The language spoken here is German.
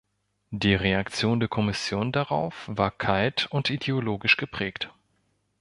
Die Reaktion der Kommission darauf war kalt und ideologisch geprägt.